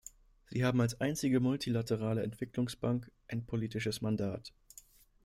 Sie haben als einzige multilaterale Entwicklungsbank ein politisches Mandat.